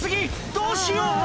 どうしよう」